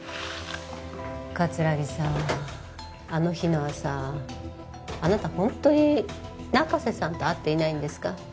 葛城さんあの日の朝あなたホントに中瀬さんと会っていないんですか？